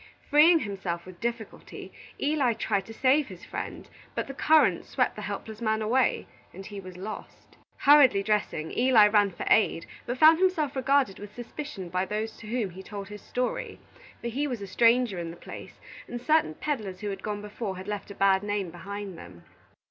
Freeing himself with difficulty, Eli tried to save his friend; but the current swept the helpless man away, and he was lost. Hurriedly dressing, Eli ran for aid, but found himself regarded with suspicion by those to whom he told his story; for he was a stranger in the place and certain peddlers who had gone before had left a bad name behind them.